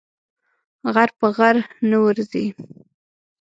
غر په غره نه ورځي.